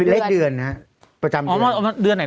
เลขเดือนฮะประจำเดือน